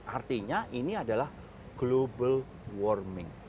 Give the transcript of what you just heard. artinya ini adalah global warming